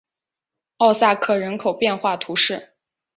奥萨克人口变化图示